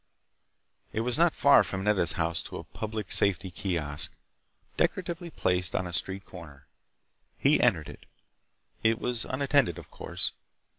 It was not far from Nedda's house to a public safety kiosk, decoratively placed on a street corner. He entered it. It was unattended, of course.